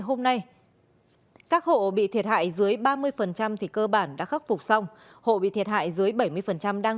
hôm nay các hộ bị thiệt hại dưới ba mươi thì cơ bản đã khắc phục xong hộ bị thiệt hại dưới bảy mươi đang